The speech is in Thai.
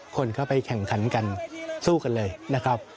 คนเข้าไปแข่งขันกันสู้กันเลยนะครับ